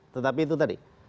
tetapi itu tadi